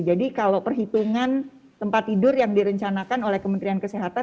jadi kalau perhitungan tempat tidur yang direncanakan oleh kementerian kesehatan